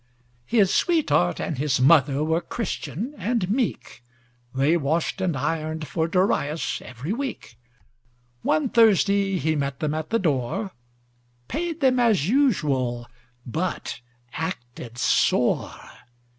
His sweetheart and his mother were Christian and meek. They washed and ironed for Darius every week. One Thursday he met them at the door:—Paid them as usual, but acted sore.